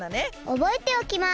おぼえておきます。